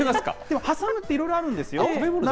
でも、挟むって、いろいろあるんですよ。